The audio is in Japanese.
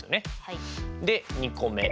で２個目。